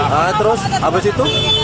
nah terus abis itu